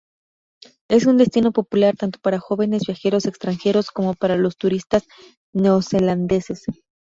Es un destino popular tanto para jóvenes viajeros extranjeros como para los turistas neozelandeses.